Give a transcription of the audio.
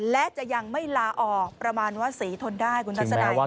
และจะยังไม่ลาออกประมาณว่าศรีทนได้คุณทัศนัย